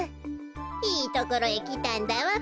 いいところへきたんだわべ。